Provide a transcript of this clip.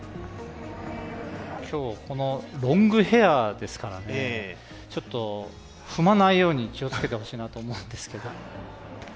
今日、このロングヘアですからねちょっと踏まないように気をつけてほしいなと思うんですけど。